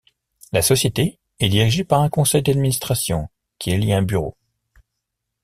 La société est dirigée par un conseil d'administration qui élit un bureau.